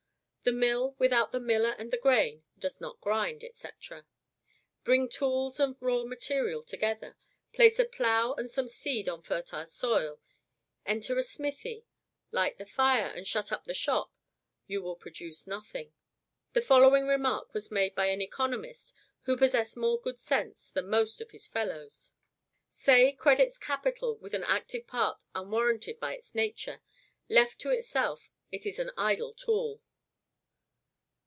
The mill, without the miller and the grain, does not grind, &c. Bring tools and raw material together; place a plough and some seed on fertile soil; enter a smithy, light the fire, and shut up the shop, you will produce nothing. The following remark was made by an economist who possessed more good sense than most of his fellows: "Say credits capital with an active part unwarranted by its nature; left to itself, it is an idle tool."